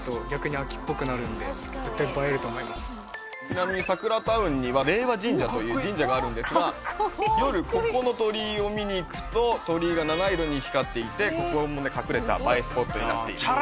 ちなみにサクラタウンには令和神社という神社があるんですが夜ここの鳥居を見に行くと鳥居が７色に光っていてここも隠れた映えスポットになっています。